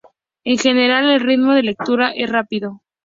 En general, el ritmo de lectura es rápido.